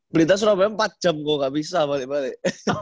berlitar surabaya empat jam kok nggak bisa balik balik